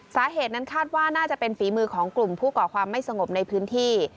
สาเหตุนั้นคาดว่าน่าจะเป็นฝีมือของกลุ่มผู้ก่อความไม่สงบในพื้นที่